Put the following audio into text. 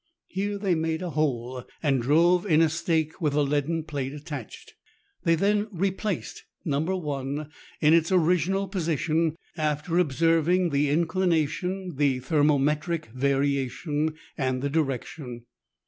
Here they made a hole, and drove in a stake with a leaden plate attached. They then replaced " No. I " in its original position, after observing the inclina tion, the thermometric variation, and the direction.